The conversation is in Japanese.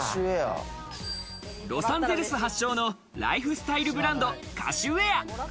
ロサンゼルス発祥のライフスタイルブランド、カシウエア。